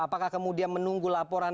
apakah kemudian menunggu laporan